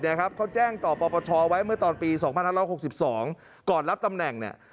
เขาแจ้งต่อปปชไว้เมื่อตอนปี๒๕๖๒ก่อนรับตำแหน่งเนี่ย